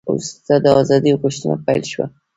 وروسته د ازادۍ غوښتنه پیل شوه.